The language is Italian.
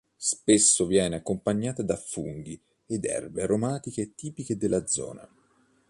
Spesso viene accompagnata da funghi e da erbe aromatiche tipiche della zona.